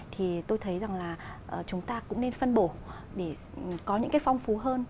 thì tôi thấy rằng là chúng ta cũng nên phân bổ để có những cái phong phú hơn